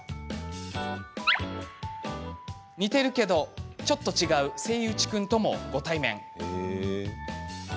似ているけどちょっと違うセイウチ君とも、ご対面。